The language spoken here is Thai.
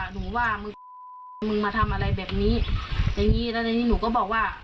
หนูว่ามึงมึงมาทำอะไรแบบนี้อย่างงี้แล้วทีนี้หนูก็บอกว่า